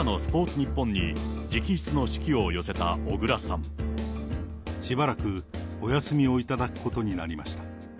ニッポンに、直筆の手記を寄せた小倉さん。しばらくお休みをいただくことになりました。